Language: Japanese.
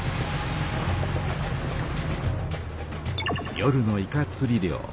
夜のイカつり漁。